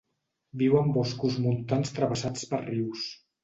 Viu en boscos montans travessats per rius.